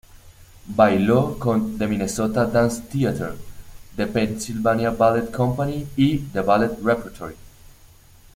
Bailó con "The Minnesota Dance Theatre", "The Pennsylvania Ballet Company" y "The Ballet Repertory".